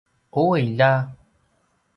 ui lja!